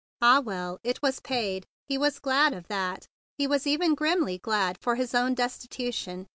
Ah, well! It was paid. He was glad of that. He was even grimly glad for his own desti¬ tution.